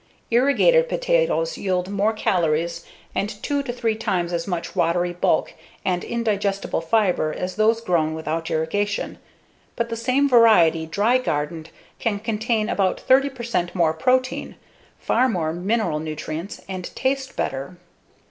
Irrigated potatoes yield more calories and two to three times as much watery bulk and indigestible fiber as those grown without irrigation, but the same variety dry gardened can contain about 30 percent more protein, far more mineral nutrients, and taste better.